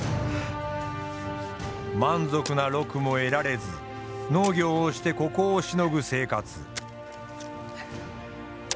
満足な禄も得られず農業をして糊口をしのぐ生活。